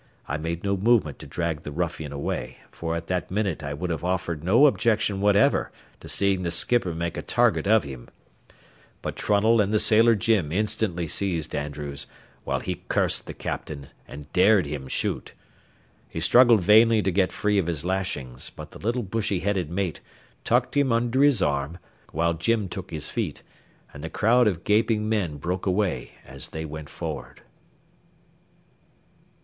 I made no movement to drag the ruffian away, for at that minute I would have offered no objection whatever to seeing the skipper make a target of him; but Trunnell and the sailor Jim instantly seized Andrews, while he cursed the captain and dared him shoot. He struggled vainly to get free of his lashings, but the little bushy headed mate tucked him under his arm, while Jim took his feet, and the crowd of gaping men broke away as they went forward.